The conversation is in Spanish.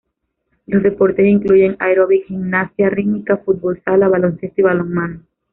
Los deportes incluyen aeróbic, gimnasia rítmica, fútbol sala, baloncesto y balonmano.